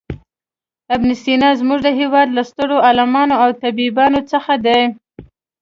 ابن سینا زموږ د هېواد له سترو عالمانو او طبیبانو څخه دی.